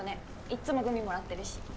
いっつもグミ貰ってるし。